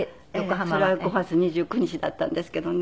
それは５月２９日だったんですけどね。